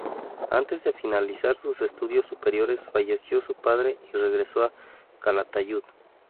Antes de finalizar sus estudios superiores, falleció su padre y regresó a Calatayud.